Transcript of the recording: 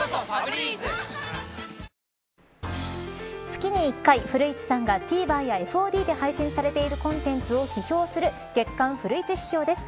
月に１回、古市さんがＴＶｅｒやＦＯＤで配信されているコンテンツを批評する月刊フルイチ批評です。